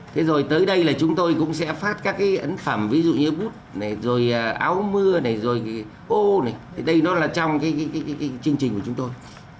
thế rồi tới đây là chúng tôi cũng sẽ phát các ấn phẩm ví dụ như bút rồi áo mưa rồi ô đây nó là trong chương trình của chúng tôi